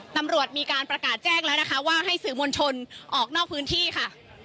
ตำรวจมีการประกาศแจ้งแล้วนะคะว่าให้สื่อมวลชนออกนอกพื้นที่ค่ะ